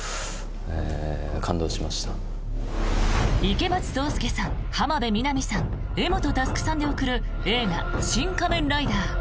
池松壮亮さん、浜辺美波さん柄本佑さんで送る映画「シン・仮面ライダー」。